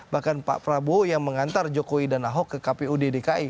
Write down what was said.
bahkan pak prabowo yang mengantar jokowi dan ahok ke kpud dki